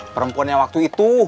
perempuannya waktu itu